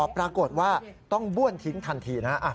ปรากฏว่าต้องบ้วนทิ้งทันทีนะ